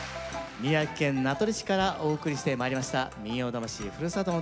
宮城県名取市からお送りしてまいりました「民謡魂ふるさとの唄」。